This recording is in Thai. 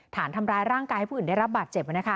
ฐานทำร้ายร่างกายผู้อื่นได้รับบาดเจ็บ